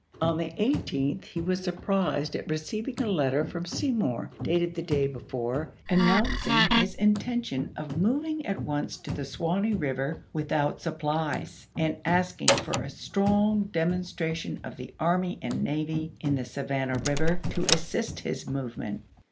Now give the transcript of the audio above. On Feb., 1864. the 18th he was surprised at receiving a letter from Seymour, dated the day before, announcing his intention of moving at once to the Suwanee River without supplies, and asking for a strong demon stration of the army and navy in the Savannah River to assist his movement.